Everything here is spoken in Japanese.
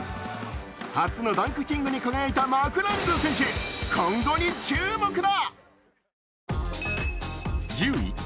初のダンクキングに輝いたマクラング選手、今後に注目だ。